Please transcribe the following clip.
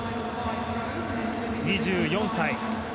２４歳。